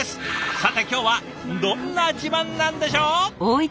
さて今日はどんな自慢なんでしょう。